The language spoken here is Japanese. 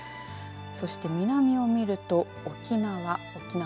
そして南を見ると沖縄。